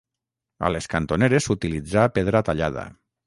A les cantoneres s'utilitzà pedra tallada.